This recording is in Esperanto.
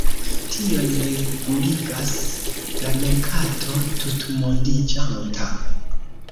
Tion reguligas la merkato tutmondiĝanta.